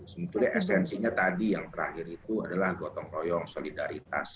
sebetulnya esensinya tadi yang terakhir itu adalah gotong royong solidaritas